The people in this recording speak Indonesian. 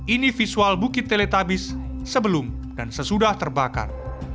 ini visual bukit teletabis sebelum dan sesudah terbakar